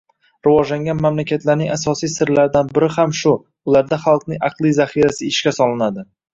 Rivojlangan mamlakatlarning asosiy sirlaridan biri ham shu – ularda xalqning aqliy zahirasi ishga solinadi.